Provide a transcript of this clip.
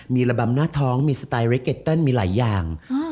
มีระบำหน้าท้องมีสไตล์เรเกตเติ้ลมีหลายอย่าง